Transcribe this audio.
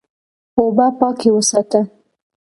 اوبه پاکې وساته.